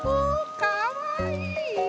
かわいい！